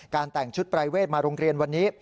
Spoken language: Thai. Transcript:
แต่งชุดปรายเวทมาโรงเรียนวันนี้